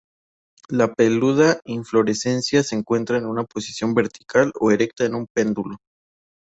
La peluda inflorescencia se encuentra en una posición vertical o erecta en un pedúnculo.